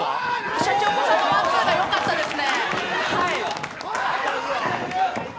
シャチホコさんのワン・ツーがよかったですね。